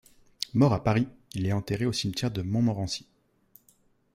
Mort à Paris, il est enterré au cimetière de Montmorency.